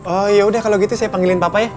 oh yaudah kalau gitu saya panggilin papa ya